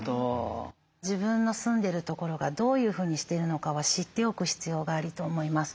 自分の住んでる所がどういうふうにしてるのかは知っておく必要があると思います。